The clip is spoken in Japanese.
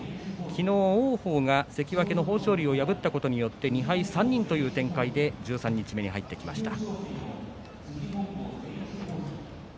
昨日、王鵬が関脇の豊昇龍を破ったことによって２敗３人という展開で十三日目に入ってきました。